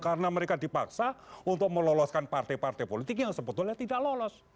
karena mereka dipaksa untuk meloloskan partai partai politik yang sebetulnya tidak lolos